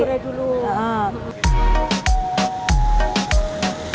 langganan durai dulu